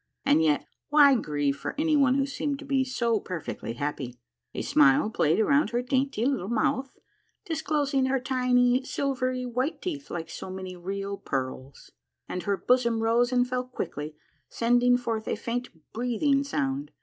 And yet, why grieve for any one who seemed to be so per fectly happy ? A smile played around her dainty little mouth, disclosing her tiny silvery white teeth like so many real pearls. 126 .•1 MARVELLOUS UNDERGROUND JOURNEY. and her bosom rose and fell quickly, sending forth a faint breath ing sound.